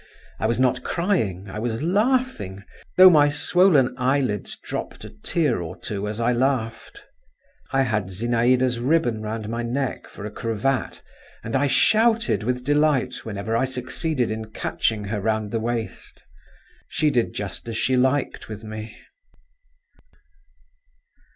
I was not crying, I was laughing, though my swollen eyelids dropped a tear or two as I laughed. I had Zinaïda's ribbon round my neck for a cravat, and I shouted with delight whenever I succeeded in catching her round the waist. She did just as she liked with me.